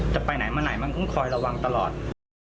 จะไปไหนมาไหนมันต้องคอยระวังตลอด